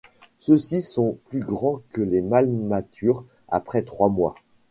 Ceux-ci sont plus grands que les mâles matures après trois mois.